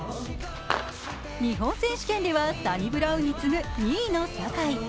日本選手権ではサニブラウンに次ぐ２位の坂井。